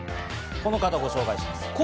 この方をご紹介します。